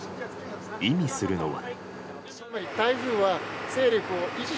意味するのは。